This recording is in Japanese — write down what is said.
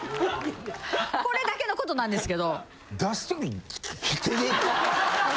これだけの事なんですけど。